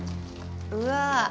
うわ！